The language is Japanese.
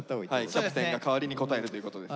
キャプテンが代わりに答えるということですね。